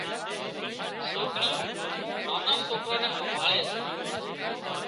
سوڪريُون نانان سوڪران نين همڀاۯي سي